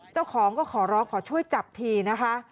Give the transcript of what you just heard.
เจ้าของก็ขอร้องขอช่วยจับทีนะคะ